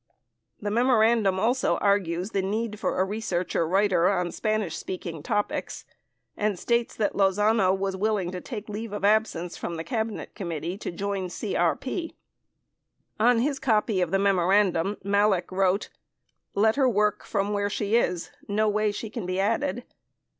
24 The memorandum also argues the need for a researcher writer on Spanish speaking topics and states that Lozano was willing to take leave of absence from the Cabinet Committee to join CRP. On his copy of the memorandum, Malek wrote: "Let her work from where she is— no way she can be added."